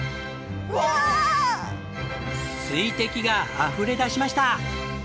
水滴があふれ出しました！